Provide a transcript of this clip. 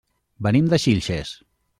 Venim de Xilxes.